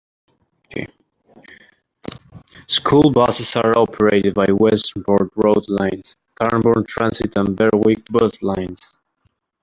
School buses are operated by Westernport Road Lines, Cranbourne Transit and Berwick Bus Lines.